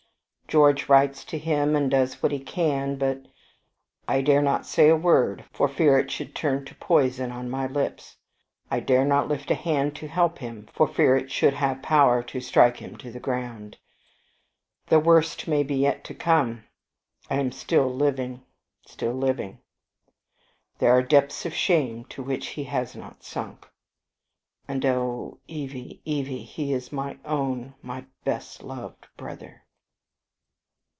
George writes to him, and does what he can; but I I dare not say a word, for fear it should turn to poison on my lips, I dare not lift a hand to help him, for fear it should have power to strike him to the ground. The worst may be yet to come; I am still living, still living: there are depths of shame to which he has not sunk. And oh, Evie, Evie, he is my own, my best loved brother!"